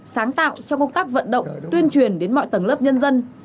sáng tạo trong công tác vận động tuyên truyền đến mọi tầng lớp nhân dân